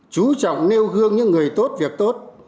chú trọng nêu gương những người tốt việc tốt